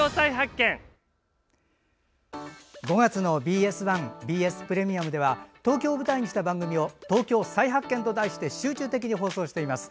５月のＢＳ１ＢＳプレミアムでは東京を舞台にした番組を「＃東京再発見」と題して集中的に放送しています。